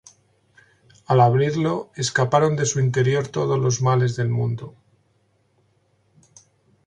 Al abrirlo, escaparon de su interior todos los males del mundo.